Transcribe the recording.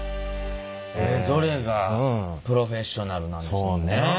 それぞれがプロフェッショナルなんですもんね。